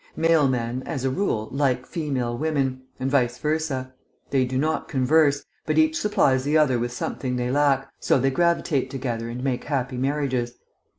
Male men as a rule, like female women, and vice versa; they do not converse, but each supplies the other with something they lack, so they gravitate together and make happy marriages.